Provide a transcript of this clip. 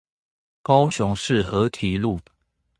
高雄市河堤路